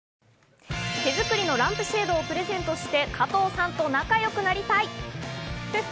手づくりのランプシェードをプレゼントして加藤さんと仲良くなりたい。